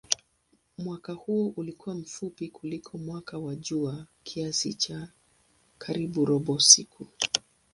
Mwaka huo ulikuwa mfupi kuliko mwaka wa jua kiasi cha karibu robo siku.